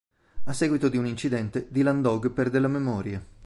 A seguito di un incidente Dylan Dog perde la memoria.